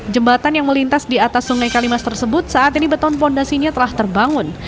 jembatan yang melintas di atas sungai kalimas tersebut saat ini beton fondasinya telah terbangun